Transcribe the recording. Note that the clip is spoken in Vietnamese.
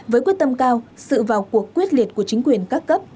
với quyết tâm cao sự vào cuộc quyết liệt của chính quyền các cấp